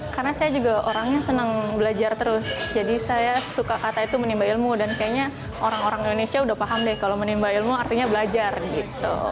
karena saya juga orangnya senang belajar terus jadi saya suka kata itu menimba ilmu dan kayaknya orang orang indonesia udah paham deh kalau menimba ilmu artinya belajar gitu